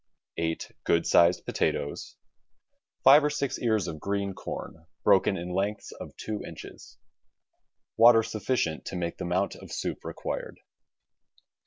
Eight good sized potatoes. Five or six ears of green corn, broken in lengths of two inches. Water sufficient to make the amount of soup required.